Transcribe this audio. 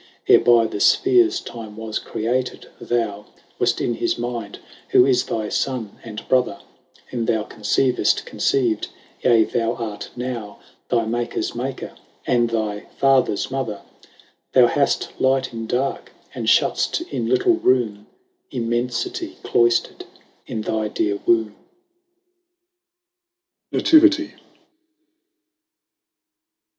Ere by the fpheares time was created, thou Waft in his minde, who is thy Sonne, and Brother ; 10 Whom thou conceiv'ft, conceiv'd ; yea thou art now Thy Makers maker, and thy Fathers mother ; Thou'haft light in darke ; and fhutft in little roome, Immenfity cloyjlerd in thy deare wombe. . NATIVITIE.